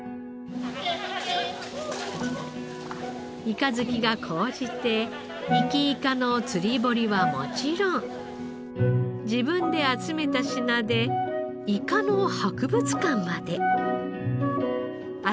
イカ好きが高じて活いかの釣り堀はもちろん自分で集めた品でイカの博物館まで。